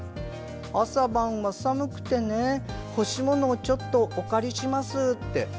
朝晩が寒くてね干し物をちょっとお借りしますと。